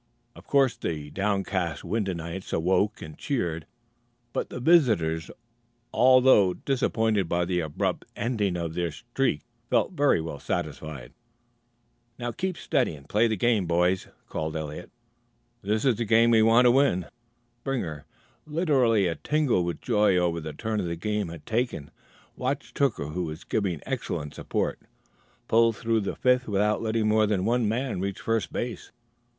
Of course the downcast Wyndhamites awoke and cheered, but the visitors, although disappointed by the abrupt ending of their "streak," felt very well satisfied. "Now keep steady and play the game, boys," called Eliot. "This is the game we want to win." Springer, literally a tingle with joy over the turn the game had taken, watched Hooker, who was given excellent support, pull through the fifth without letting more than one man reach first base.